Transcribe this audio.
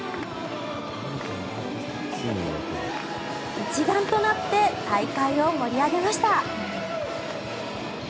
一丸となって大会を盛り上げました。